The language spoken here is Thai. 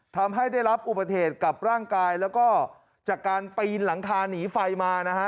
ทำให้ได้รับอุบัติเหตุกับร่างกายแล้วก็จากการปีนหลังคาหนีไฟมานะฮะ